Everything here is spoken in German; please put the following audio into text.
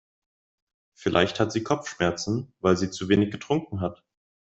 Vielleicht hat sie Kopfschmerzen, weil sie zu wenig getrunken hat.